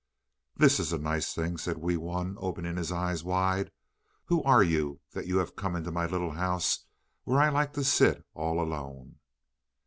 "This is a nice thing," said Wee Wun, opening his eyes wide. "Who are you that you have come into my little house where I like to sit all alone?"